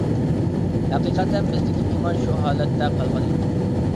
ھەقىقەتەن بىزدىكى ئىمان شۇ ھالەتتە قالغان ئىدى.